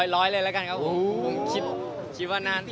ร้อยเลยละกันครับผมคิดว่าน่า